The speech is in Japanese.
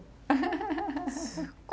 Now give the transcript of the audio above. すっごい。